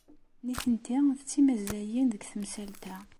Nitenti d timazzayin deg temsalt-a.